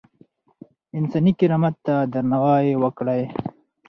انساني کرامت ته درناوی وکړئ.